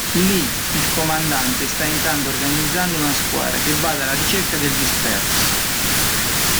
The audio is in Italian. Lì, il comandante sta intanto organizzando una squadra che vada alla ricerca del disperso.